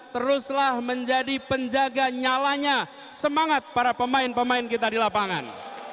teruslah menjadi penjaga nyalanya semangat para pemain pemain kita di lapangan